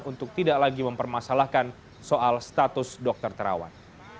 untuk tidak lagi mempermasalahkan soal status dokter terawan